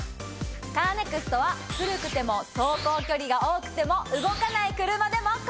カーネクストは古くても走行距離が多くても動かない車でも。